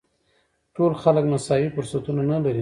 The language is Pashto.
ټول خلک مساوي فرصتونه نه لري.